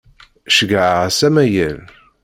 Ceyyɛeɣ-as amayel.